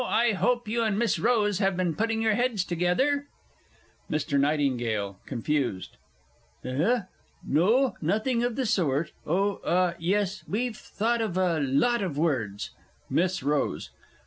I hope you and Miss Rose have been putting your heads together? MR. NIGHTINGALE (confused). Eh? No, nothing of the sort! Oh, ah yes, we've thought of a lot of Words. MISS ROSE.